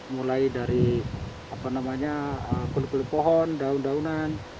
mulai dari kulit kulit pohon daun daunan